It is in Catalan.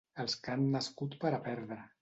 Els que han nascut per a perdre.